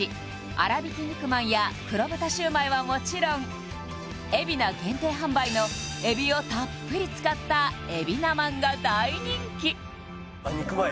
あらびき肉まんや黒豚シューマイはもちろん海老名限定販売の海老をたっぷり使った海老名まんが大人気肉まん？